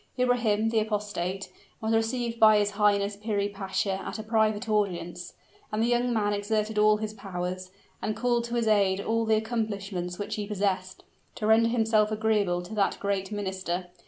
Ibrahim, the apostate, was received by his highness Piri Pasha at a private audience and the young man exerted all his powers, and called to his aid all the accomplishments which he possessed, to render himself agreeable to that great minister.